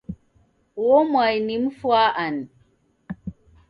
Uo mwai ni mfu wa ani?